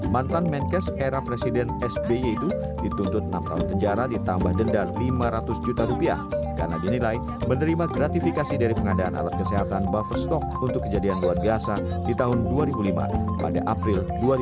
mantan menkes era presiden sby itu dituntut enam tahun penjara ditambah denda lima ratus juta rupiah karena dinilai menerima gratifikasi dari pengadaan alat kesehatan buffer stock untuk kejadian luar biasa di tahun dua ribu lima pada april dua ribu lima belas